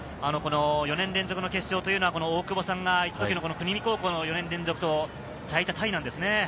４年連続の決勝というのは、大久保さんがいた時の国見高校の４年連続と最多タイなんですね。